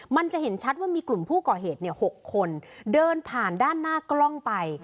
มันจะเห็นชัดว่ามีกลุ่มผู้ก่อเหตุ๖คนเดินผ่านด้านหน้ากล้องไป